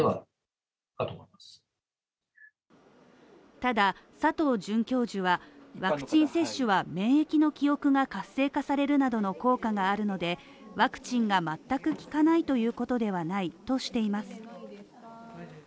ただ佐藤准教授はワクチン接種は免疫の記憶が活性化されるなどの効果があるのでワクチンが全く効かないということではないとしています